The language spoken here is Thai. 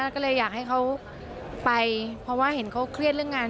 ก็เลยอยากให้เขาไปเพราะว่าเห็นเขาเครียดเรื่องงาน